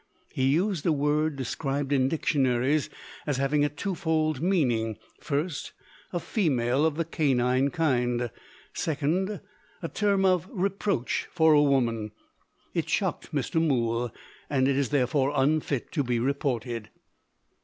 He used a word, described in dictionaries as having a twofold meaning. (First, "A female of the canine kind." Second, "A term of reproach for a woman.") It shocked Mr. Mool; and it is therefore unfit to be reported.